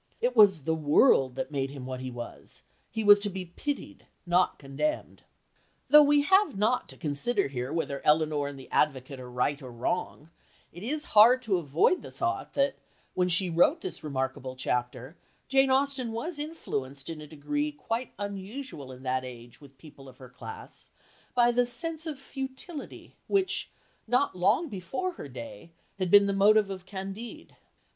It was "the world" that had made him what he was, he was to be pitied, not condemned. Though we have not to consider here whether Elinor and the advocate are right or wrong, it is hard to avoid the thought that, when she wrote this remarkable chapter, Jane Austen was influenced in a degree quite unusual in that age with people of her class by the sense of futility which, not long before her day, had been the motive of Candide.